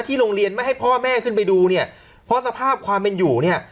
โรงเรียนไม่ให้พ่อแม่ขึ้นไปดูเนี่ยเพราะสภาพความเป็นอยู่เนี่ย